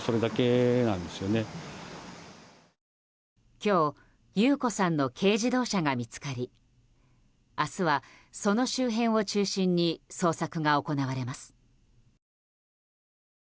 今日優子さんの軽自動車が見つかり明日は、その周辺を中心に捜索が行われます。